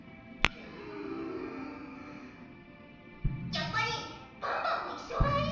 やっぱりバンバンもいっしょがいい！